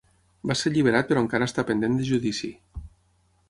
Va ser alliberat però encara està pendent de judici.